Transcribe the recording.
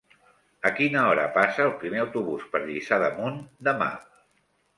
A quina hora passa el primer autobús per Lliçà d'Amunt demà?